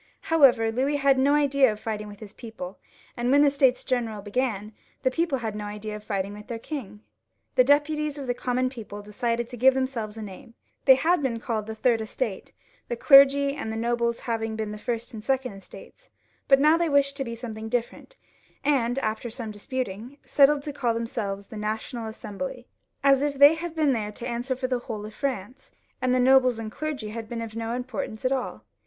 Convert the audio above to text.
However, Louis had no idea of fighting with his people, and when the States General began, the people had no idea of fighting with their king. The deputies of the com mon people decided to give themselves a name. They had been called the Third Estate, the clergy and the nobles having been the First and the Second Estates, but they now wished for something different, and after some disputing, settled to caU themselves the National Assembly, as if they had been there to answer for the whole of France, and the nobles and clergy had been of no importance at all.